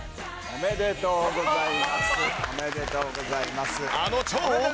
おめでとうございます。